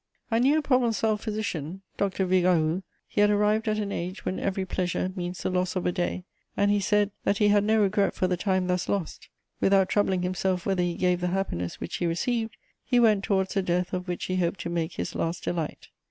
I knew a Provençal physician, Dr. Vigaroux; he had arrived at an age when every pleasure means the loss of a day, and he said "that he had no regret for the time thus lost; without troubling himself whether he gave the happiness which he received, he went towards the death of which he hoped to make his last delight."